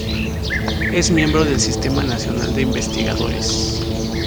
Es miembro del Sistema Nacional de Investigadores.